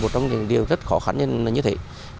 trong những điều rất khó khăn như thế này